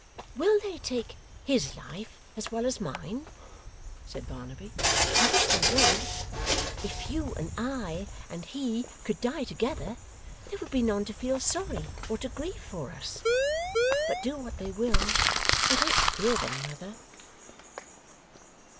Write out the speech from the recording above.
'Will they take HIS life as well as mine?' said Barnaby. 'I wish they would. If you and I and he could die together, there would be none to feel sorry, or to grieve for us. But do what they will, I don't fear them, mother!